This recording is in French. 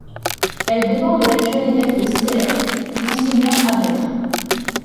Elle dépend de l’actuel évêque de Séez, Mgr Habert.